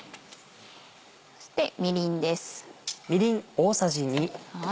そしてみりんです。